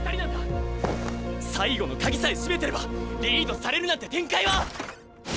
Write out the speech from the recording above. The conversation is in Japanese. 最後の鍵さえ閉めてればリードされるなんて展開は！